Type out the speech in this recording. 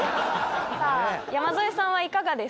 さあ山添さんはいかがですか？